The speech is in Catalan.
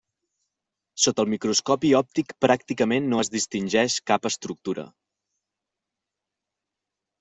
Sota el microscopi òptic pràcticament no es distingeix cap estructura.